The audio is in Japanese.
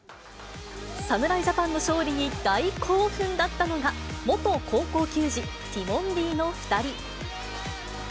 侍ジャパンの勝利に大興奮だったのが、元高校球児、ティモンディの２人。